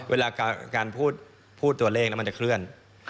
เวลาการพูดตัวเลขแล้วมันจะเคลื่อน